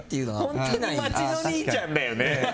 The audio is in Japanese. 本当に街の兄ちゃんだよね。